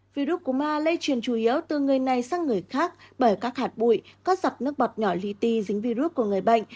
virus cô ma lây truyền chủ yếu từ người này sang người khác bởi các hạt bụi có dọc nước bọt nhỏ lý ti dính virus của người bệnh